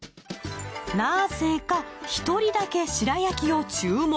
なぜか１人だけ白焼を注文。